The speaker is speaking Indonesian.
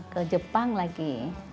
ke jepang lagi